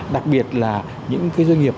đặc biệt là những cái doanh nghiệp